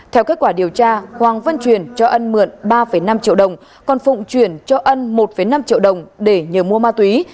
theo kết quả điều tra hoàng văn truyền cho ân mượn ba năm triệu đồng còn phụng chuyển cho ân một năm triệu đồng để nhờ mua ma túy